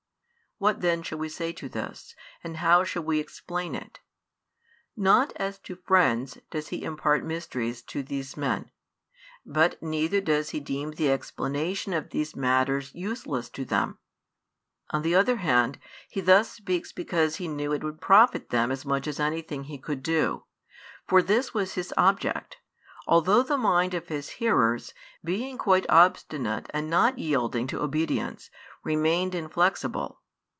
"What then shall we say to this, and how shall we explain it? Not as to friends does He impart mysteries [to these men], but neither does He deem the explanation of these matters useless to them: on the other hand, He thus speaks because He knew it would profit them as much as anything He could do; for this was His object, although the mind of His hearers, being quite obstinate and not yielding to obedience, remained inflexible.